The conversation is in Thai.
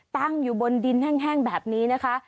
ตั้งอยู่บนดินแห้งแบบนี้นะคะ